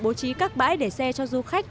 bố trí các bãi để xe cho du khách